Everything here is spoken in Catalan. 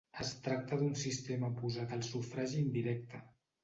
Es tracta d'un sistema oposat al sufragi indirecte.